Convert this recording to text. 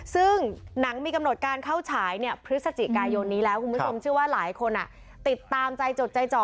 ซึ่งหนังมีกำหนดการเข้าฉายพฤศจิกายนนี้แล้วคุณผู้ชมเชื่อว่าหลายคนติดตามใจจดใจจ่อ